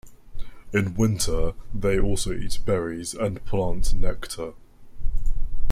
In winter, they also eat berries and plant nectar.